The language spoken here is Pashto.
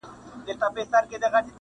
o معلوميږي چي موسم رانه خفه دی,